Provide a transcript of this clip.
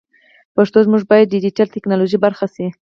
پښتو ژبه باید د ډیجیټل ټکنالوژۍ برخه شي.